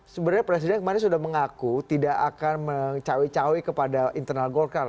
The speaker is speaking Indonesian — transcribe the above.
sebenarnya presiden kemarin sudah mengaku tidak akan mencawi cawi kepada internal golkar